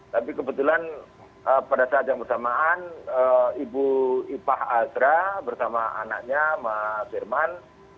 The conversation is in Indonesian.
tapi kebetulan pada saat yang bersamaan ibu ipah azra bersama anaknya mas firman